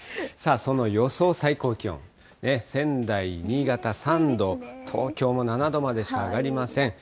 その予想最高気温、仙台、新潟３度、東京も７度までしか上がりません。